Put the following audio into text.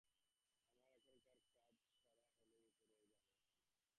আমার এখানকার কাজ সারা হলেই উপরে যাব এখন।